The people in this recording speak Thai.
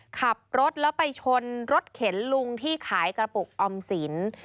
ขับรถแล้วไปชนรถเข็นลุงที่ขายกระปุกออมสิน